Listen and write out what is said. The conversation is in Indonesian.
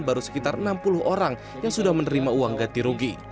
baru sekitar enam puluh orang yang sudah menerima uang ganti rugi